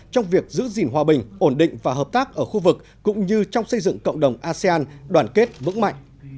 trong việc giữ gìn hòa bình ổn định và hợp tác ở khu vực cũng như trong xây dựng cộng đồng asean đoàn kết vững mạnh